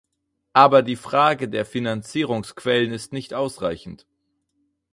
Aber die Frage der Finanzierungsquellen ist nicht ausreichend.